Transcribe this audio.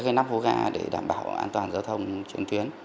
cái nắp hố ga để đảm bảo an toàn giao thông trên tuyến